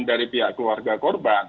dari pihak keluarga korban